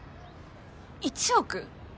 １億！？